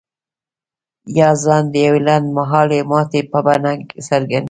يا ځان د يوې لنډ مهالې ماتې په بڼه څرګندوي.